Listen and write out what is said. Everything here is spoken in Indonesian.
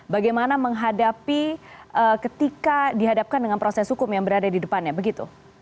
bagaimana menghadapi ketika dihadapkan dengan proses hukum yang berada di depannya begitu